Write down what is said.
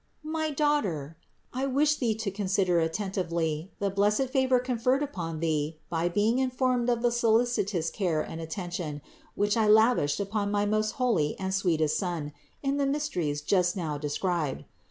538. My daughter, I wish thee to consider attentively the blessed favor conferred upon thee by being informed of the solicitous care and attention which I lavished upon my most holy and sweetest Son in the mysteries just now described.